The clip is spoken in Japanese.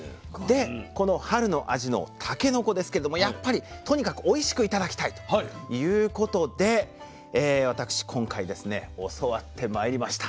でこの春の味のたけのこですけれどもやっぱりとにかくおいしく頂きたいということで私今回教わってまいりました。